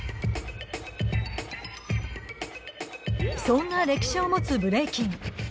そんな歴史を持つブレイキン。